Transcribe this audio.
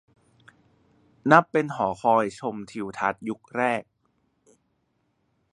นับเป็นหอคอยชมทิวทัศน์ยุคแรก